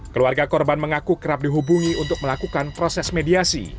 keluarga korban mengaku kerap dihubungi untuk melakukan proses mediasi